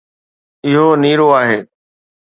اهو نيرو آهي